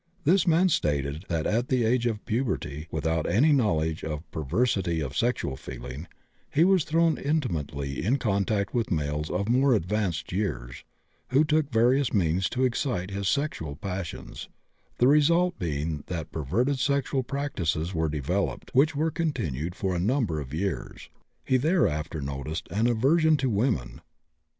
This man stated that at the age of puberty, without any knowledge of perversity of sexual feeling, he was thrown intimately in contact with males of more advanced years, who took various means to excite his sexual passions, the result being that perverted sexual practices were developed, which were continued for a number of years. He thereafter noticed an aversion to women.